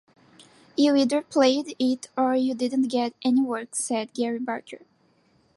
"You either played it or you didn't get any work," said Gary Barker.